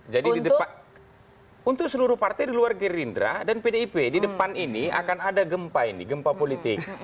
jadi untuk seluruh partai di luar gerindra dan pdip di depan ini akan ada gempa ini gempa politik